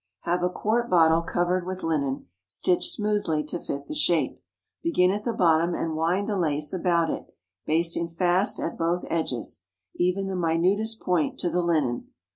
Have a quart bottle covered with linen, stitched smoothly to fit the shape. Begin at the bottom and wind the lace about it, basting fast at both edges, even the minutest point, to the linen.